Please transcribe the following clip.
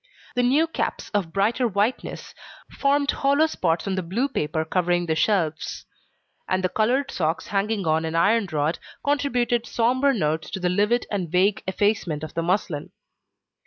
The new caps, of brighter whiteness, formed hollow spots on the blue paper covering the shelves. And the coloured socks hanging on an iron rod, contributed sombre notes to the livid and vague effacement of the muslin.